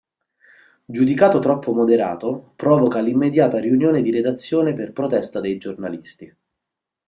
Giudicato troppo moderato, provoca l’immediata riunione di redazione per protesta dei giornalisti.